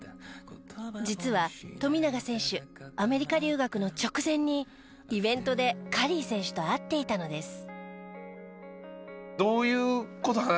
実は富永選手アメリカ留学の直前にイベントでカリー選手と会っていたのです。